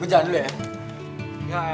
gue jalan dulu ya